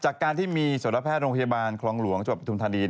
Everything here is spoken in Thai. จากการที่มีโสดแพทย์โรงพยาบาลคลองหลวงจุบัติธุมธารี